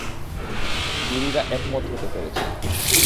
জুরিরা একমত হতে পেরেছেন।